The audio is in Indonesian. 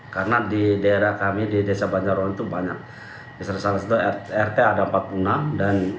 karena di daerah kami di desa banjarwong itu banyak bisa salah satu rt ada empat puluh enam dan